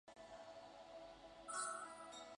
斯特宁镇区为美国堪萨斯州赖斯县辖下的镇区。